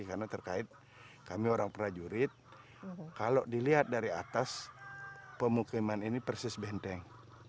karena terkait kami orang prajurit kalau dilihat dari atas pemukiman ini persis benteng